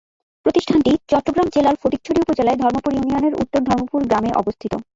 প্রতিষ্ঠানটি চট্টগ্রাম জেলার ফটিকছড়ি উপজেলার ধর্মপুর ইউনিয়নের উত্তর ধর্মপুর গ্রামে অবস্থিত।